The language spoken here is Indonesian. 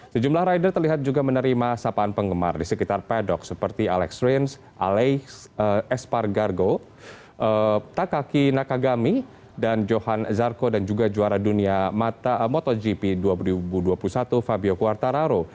sejumlah rider terlihat juga menerima sapaan penggemar di sekitar pedok seperti alex rins espar gargo takaki nakagami dan johan zarco dan juga juara dunia motogp dua ribu dua puluh satu fabio quartararo